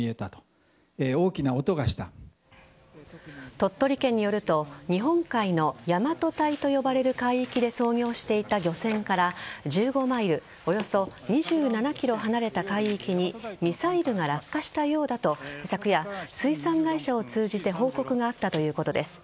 鳥取県によると日本海の大和堆と呼ばれる海域で操業していた漁船から１５マイルおよそ２７ｋｍ離れた海域にミサイルが落下したようだと昨夜、水産会社を通じて報告があったということです。